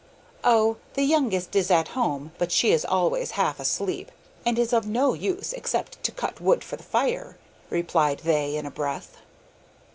'Oh, the youngest is at home, but she is always half asleep, and is of no use except to cut wood for the fire,' replied they in a breath.